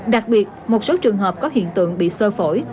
đặc biệt một số trường hợp có hiện tượng bị sơ phổi